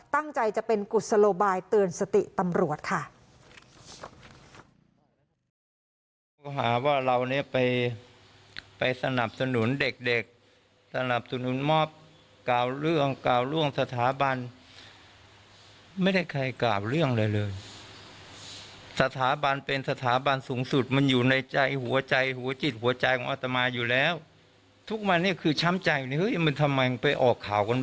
ตั้งใจจะเป็นกุศโลบายเตือนสติตำรวจค่ะ